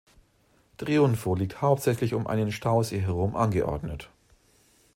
Triunfo liegt hauptsächlich um einen Stausee herum angeordnet.